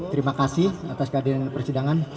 terima kasih atas kehadiran persidangan